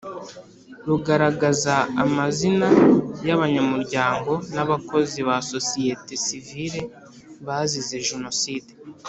Rugaragaza Amazina Y Abanyamuryango N Abakozi Ba Sosiyete Sivile Bazize Jenoside